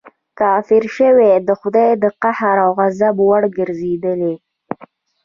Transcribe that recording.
کافر شوې د خدای د قهر او غضب وړ وګرځېدې.